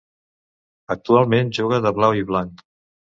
Actualment juga de blau i blanc.